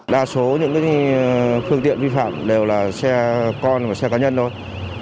đa số những phương tiện vi phạm đều là xe con và xe cá nhân thôi